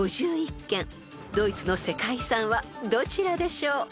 ［ドイツの世界遺産はどちらでしょう？］